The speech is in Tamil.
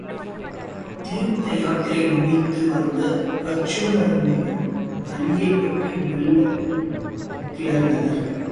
தீர்த்த யாத்திரை முடிந்து வந்த அருச்சுனனிடம் அல்லியைப் பற்றி மெல்லக் கிளர்ந்தனர்.